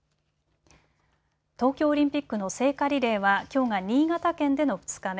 東京オリンピックの聖火リレーはきょうが新潟県での２日目。